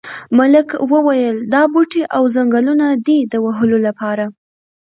ملک وویل دا بوټي او ځنګلونه دي د وهلو لپاره.